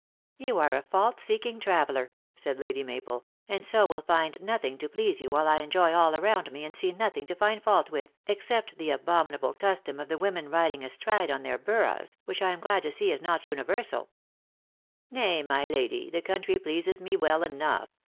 " You are a fault seeking traveler," said Lady Ma bel; "and so will find nothing to please you, while I enjoy all around me, and see nothing to find fault with, except the abominable custom of the women riding astride on their hurras, which I am glad to see is not universal." " ^Nay, my lady, the country pleases me well enough.